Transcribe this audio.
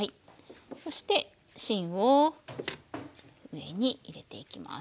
そして芯を上に入れていきます。